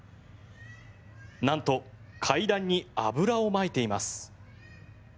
なんと階段に油をまいています。